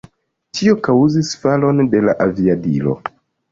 Tio kaŭzis falon de la aviadilo.